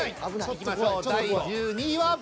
いきましょう第１２位は。